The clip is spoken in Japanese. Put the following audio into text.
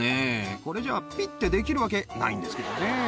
これじゃあ、ぴってできるわけないんですけどね。